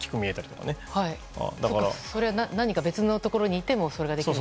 別のところにいてもそれができると。